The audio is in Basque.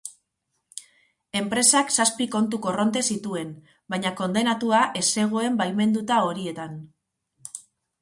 Enpresak zazpi kontu korronte zituen, baina kondenatua ez zegoen baimenduta horietan.